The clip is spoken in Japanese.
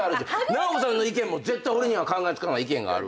ナオコさんの意見も絶対俺には考えつかない意見がある。